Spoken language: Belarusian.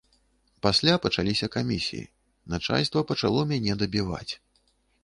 Пасля пачаліся камісіі, начальства пачало мяне дабіваць.